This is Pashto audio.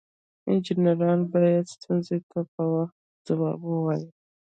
انجینران باید ستونزو ته په وخت ځواب ووایي.